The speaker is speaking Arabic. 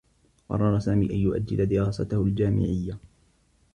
قرّر سامي أن يؤجّل دراسته الجامعيّة.